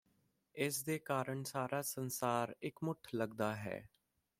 ਇਸਦੇ ਕਾਰਨ ਸਾਰਾ ਸੰਸਾਰ ਇਕਮੁੱਠ ਲੱਗਦਾ ਹੈ